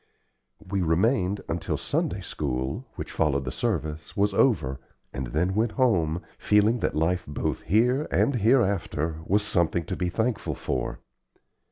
We remained until Sunday school, which followed the service, was over, and then went home, feeling that life both here and hereafter was something to be thankful for.